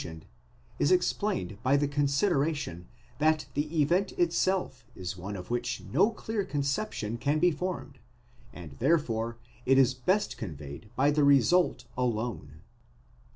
tioned, is explained by the consideration that the event itself is one of which no clear conception can be formed, and therefore it is best conveyed by the result alone.